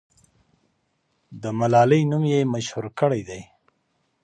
ملالۍ نوم یې مشهور کړی دی.